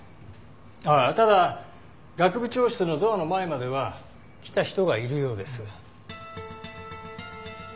あっただ学部長室のドアの前までは来た人がいるようです。